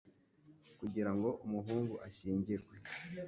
kugira ngo umuhungu ashyingirwe